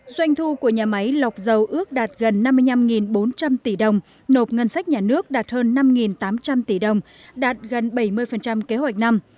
doanh thu của nhà máy lọc dầu ước đạt gần năm mươi năm bốn trăm linh tỷ đồng nộp ngân sách nhà nước đạt hơn năm tám trăm linh tỷ đồng đạt gần bảy mươi kế hoạch năm